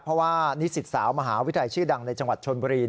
เพราะว่านิสิตสาวมหาวิทยาลัยชื่อดังในจังหวัดชนบุรี